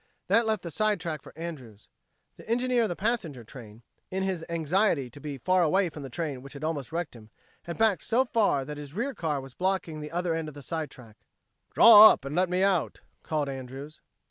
That left the side track for Andrews. The engineer of the passenger train, in his anxiety to be far away from the train which had almost wrecked him, had backed so far that his rear car was blocking the other end of the side track. "Draw up and let me out," called Andrews.